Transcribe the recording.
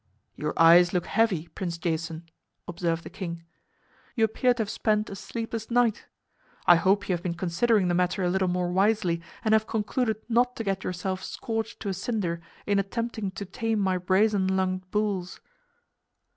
"Your eyes look heavy, Prince Jason," observed the king; "you appear to have spent a sleepless night. I hope you have been considering the matter a little more wisely and have concluded not to get yourself scorched to a cinder in attempting to tame my brazen lunged bulls."